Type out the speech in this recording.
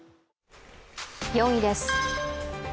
４位です。